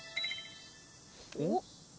おっ？